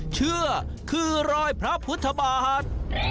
เชื่อคือรอยพระพุทธบาท